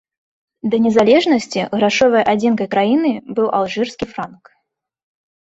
Да незалежнасці грашовай адзінкай краіны быў алжырскі франк.